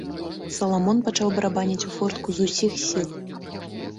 Саламон пачаў барабаніць у фортку з усіх сіл.